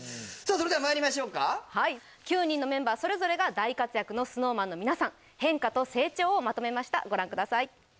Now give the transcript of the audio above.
それではまいりましょうかはい９人のメンバーそれぞれが大活躍のＳｎｏｗＭａｎの皆さん変化と成長をまとめましたご覧ください